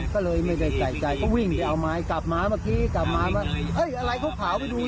ก็เลยไม่ได้ใจใจก็วิ่งไปเอาไม้ไหล้เผาเผาไปดู